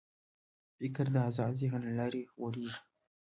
فکر د آزاد ذهن له لارې غوړېږي.